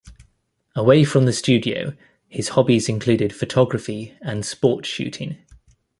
Away from the studio, his hobbies included photography and sport shooting.